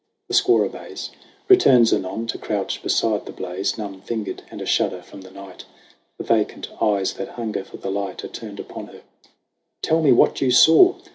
The squaw obeys; Returns anon to crouch beside the blaze, Numb fingered and a shudder from the night. The vacant eyes that hunger for the light Are turned upon her : "Tell me what you saw!